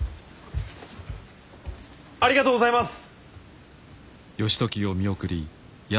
ありがとうございます！